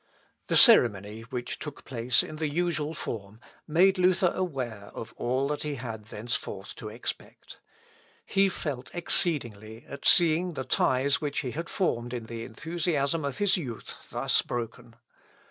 The ceremony, which took place in the usual form, made Luther aware of all that he had thenceforth to expect. He felt exceedingly at seeing the ties which he had formed in the enthusiasm of his youth, thus broken.